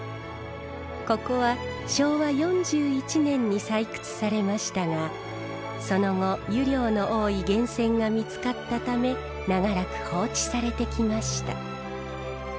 ここは昭和４１年に採掘されましたがその後湯量の多い源泉が見つかったため長らく放置されてきました。